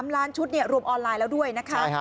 ๓ล้านชุดรวมออนไลน์แล้วด้วยนะคะ